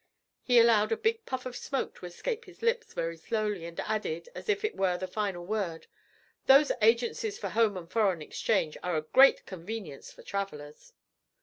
He allowed a big puff of smoke to escape his lips very slowly, and added, as if it were the final word, 'Those agencies for home and foreign exchange are a great convenience to travellers.'